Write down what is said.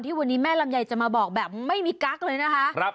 วันนี้แม่ลำไยจะมาบอกแบบไม่มีกั๊กเลยนะคะ